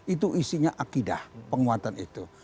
itu isinya akidah penguatan itu